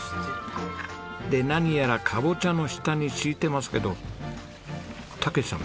で何やらカボチャの下に敷いてますけど武さん